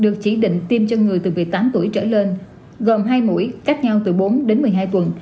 được chỉ định tiêm cho người từ một mươi tám tuổi trở lên gồm hai mũi cách nhau từ bốn đến một mươi hai tuần